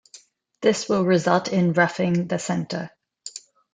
This will result in roughing the center.